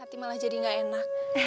hati malah jadi gak enak